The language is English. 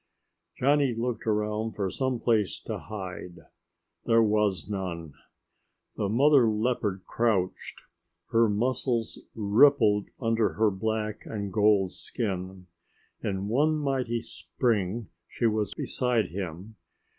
Johnny looked around for some place to hide. There was none. The mother leopard crouched. Her muscles rippled under her black and gold skin. In one mighty spring she was beside him.